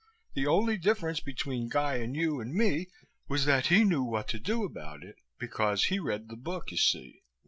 The only difference between Guy and you and me was that he knew what to do about it, because he read the book, you see.